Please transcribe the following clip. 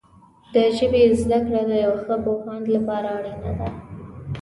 د ژبې زده کړه د یو ښه پوهاند لپاره اړینه ده.